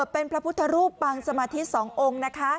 เป็นพระพุทธรูปปังสมาธิ๒องค์นะคะ